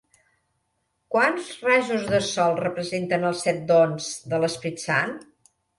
Quants rajos de sol representen els set dons de l'Esperit Sant?